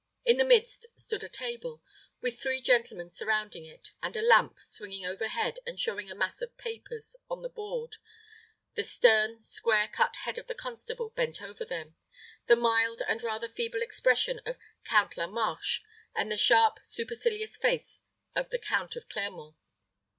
In the midst stood a table, with three gentlemen surrounding it, and a lamp, swinging overhead and showing a mass of papers on the board, the stern, square cut head of the constable bent over them, the mild and rather feeble expression of the Count La Marche, and the sharp, supercilious face of the Count of Clermont.